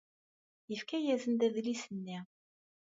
Yefka-asen-d adlis-nni.